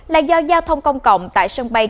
là do giao thông công cộng tại sân bay